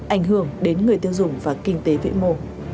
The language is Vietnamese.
ảnh hưởng đến người tiêu dùng và kinh tế vĩ mô